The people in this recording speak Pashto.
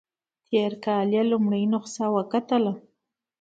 تېر کال یې لومړنۍ نسخه وکتله.